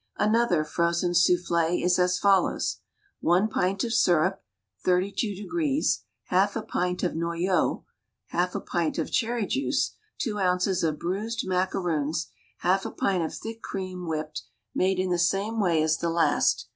Another frozen soufflé is as follows: One pint of syrup, 32 degrees, half a pint of noyeau, half a pint of cherry juice, two ounces of bruised macaroons, half a pint of thick cream whipped, made in the same way as the last.